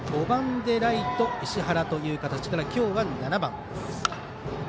５番でライト石原という形から今日は７番。